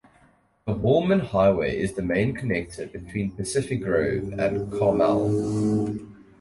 The Holman Highway is the main connector between Pacific Grove and Carmel.